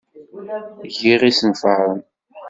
Giɣ isenfaren.